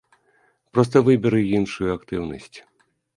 Проста выберы іншую актыўнасць.